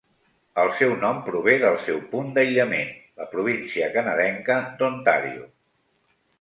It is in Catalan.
El seu nom prové del seu punt d'aïllament, la província canadenca d'Ontàrio.